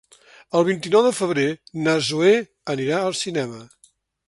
El vint-i-nou de febrer na Zoè anirà al cinema.